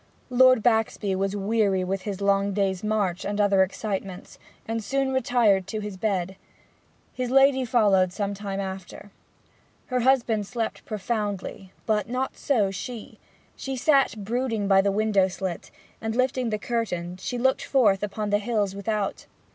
Lord Baxby was weary with his long day's march and other excitements, and soon retired to bed. His lady followed some time after. Her husband slept profoundly, but not so she; she sat brooding by the window slit, and lifting the curtain looked forth upon the hills without.